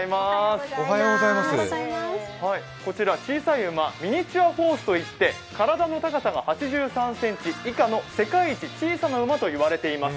こちら小さい馬、ミニチュアホースといって体の高さが８３ｃｍ以下の世界一小さな馬と言われています。